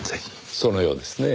そのようですねぇ。